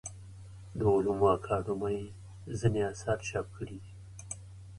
د علومو اکاډمۍ ځینې اثار چاپ کړي دي.